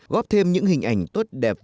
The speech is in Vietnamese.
góp thêm những hình ảnh tốt đẹp